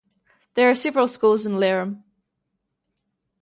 There are several schools in Lerum.